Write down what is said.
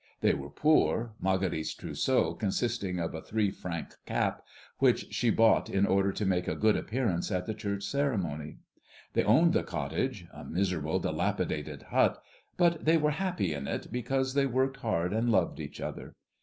They were poor, Marguerite's trousseau consisting of a three franc cap, which she bought in order to make a good appearance at the church ceremony. They owned the cottage, a miserable, dilapidated hut; but they were happy in it because they worked hard and loved each other.